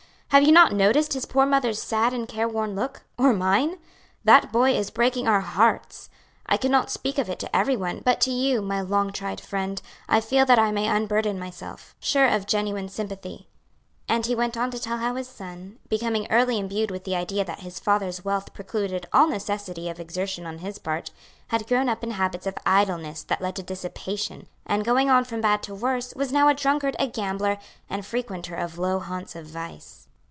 Have you not noticed his poor mother's sad and careworn look? or mine? That boy is breaking our hearts. I could not speak of it to every one, but to you, my long tried friend, I feel that I may unburden myself, sure of genuine sympathy " And he went on to tell how his son, becoming early imbued with the idea that his father's wealth precluded all necessity of exertion on his part, had grown up in habits of idleness that led to dissipation, and going on from bad to worse, was now a drunkard, a gambler, and frequenter of low haunts of vice.